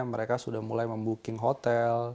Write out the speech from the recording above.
mereka sudah mulai membooking hotel